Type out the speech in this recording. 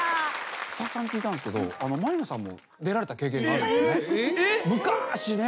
スタッフさんに聞いたんですけど満里奈さんも出られた経験があるんですってね？